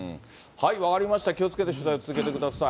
分かりました、気をつけて取材を続けてください。